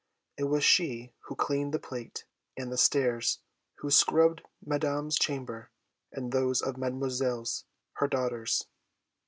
It was she who cleaned the plate, and the stairs, who scrubbed Madame's chamber, and those of Mesdemoiselles, her daughters.